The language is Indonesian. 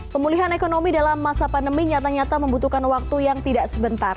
pemulihan ekonomi dalam masa pandemi nyata nyata membutuhkan waktu yang tidak sebentar